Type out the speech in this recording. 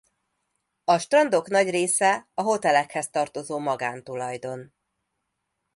A strandok nagy része a hotelekhez tartozó magántulajdon.